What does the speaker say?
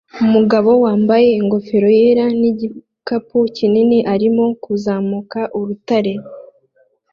Umugabo wambaye ingofero yera nigikapu kinini arimo kuzamuka urutare